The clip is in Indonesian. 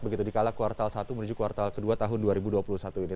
begitu di kala kuartal satu menuju kuartal ke dua tahun dua ribu dua puluh satu ini